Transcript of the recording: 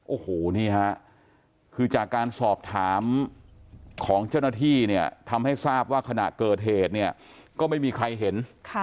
โอ้โหนี่ฮะคือจากการสอบถามของเจ้าหน้าที่เนี่ยทำให้ทราบว่าขณะเกิดเหตุเนี่ยก็ไม่มีใครเห็น